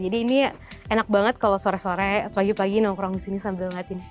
jadi ini enak banget kalau sore sore pagi pagi nongkrong di sini sambil ngeliatin view